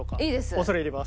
恐れ入ります。